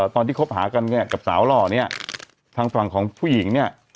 คบหากันเนี่ยกับสาวหล่อเนี่ยทางฝั่งของผู้หญิงเนี่ย